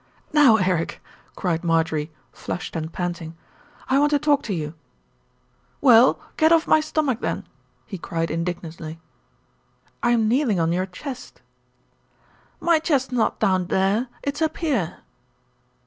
"Now, Eric," cried Marjorie, flushed and panting. "I want to talk to you." "Well, get off my stomach then," he cried indig nantly. "I'm kneeling on your chest." "My chest's not down there, it's up here."